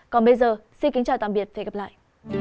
còn bây giờ xin kính chào tạm biệt và hẹn gặp lại